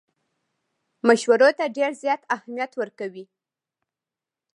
مشورو ته ډېر زیات اهمیت ورکوي.